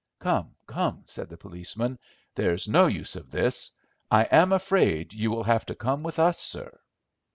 "Come, come." said the policeman, "there's no use of this. I am afraid you will have to come with us, sir."